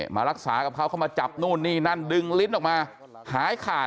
มารักษากับเขาเข้ามาจับนู่นนี่นั่นดึงลิ้นออกมาหายขาด